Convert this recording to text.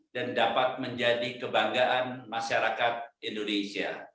dan dapat menjadi kebanggaan masyarakat indonesia